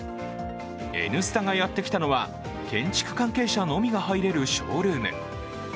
「Ｎスタ」がやってきたのは建築関係者のみが入れるショールーム。